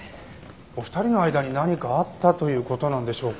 お二人の間に何かあったという事なんでしょうか？